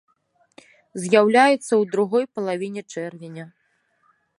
З'яўляецца ў другой палавіне чэрвеня.